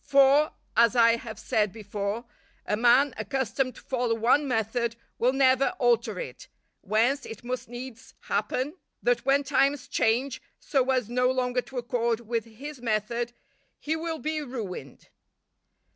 For, as I have said before, a man accustomed to follow one method, will never alter it; whence it must needs happen that when times change so as no longer to accord with his method, he will be ruined.